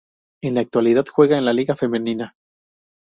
En la actualidad juega en la Liga Femenina.